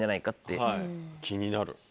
気になる。